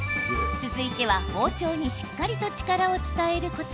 続いては、包丁にしっかりと力を伝えるコツ。